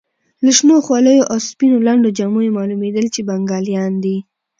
له شنو خولیو او سپینو لنډو جامو یې معلومېدل چې بنګالیان دي.